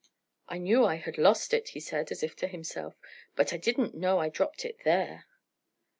"I knew I had lost it," he said, as if to himself, "but I didn't know I dropped it there."